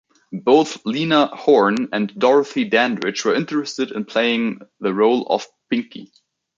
Both Lena Horne and Dorothy Dandridge were interested in playing the role of Pinky.